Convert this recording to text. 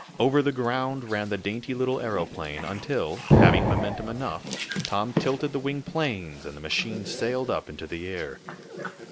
Over the ground ran the dainty, little aeroplane, until, having momentum enough, Tom tilted the wing planes and the machine sailed up into the air.